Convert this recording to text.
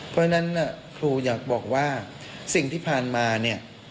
เพราะฉะนั้นครูอยากบอกว่าสิ่งที่ผ่านมาเนี่ย